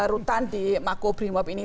rutan di mako brimob ini